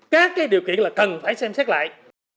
các cái điều kiện là cần phải xem xét lại